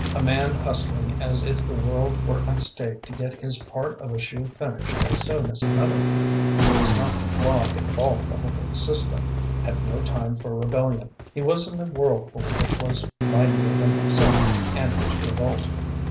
A man hustling as if the world were at stake to get his part of a shoe finished as soon as another man, so as not to clog and balk the whole system, had no time for rebellion. He was in the whirlpool which was mightier than himself and his revolt.